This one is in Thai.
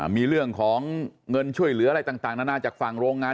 มีเรื่องของเงินช่วยเหลืออะไรต่างนานาจากฝั่งโรงงาน